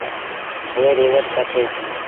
اُئي ريٚ ازت ڪرسي۔